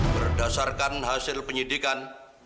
berdasarkan hasil penyidikan